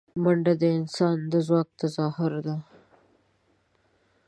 منډه د انسان د ځواک تظاهره ده